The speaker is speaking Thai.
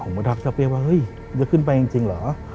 มาทักเจ้าเปี้ยว่าเฮ้ยจะขึ้นไปจริงเหรอ